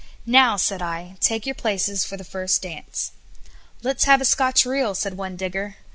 Now," said I, "take your places for the first dance." "Let's have a Scotch reel," said one digger.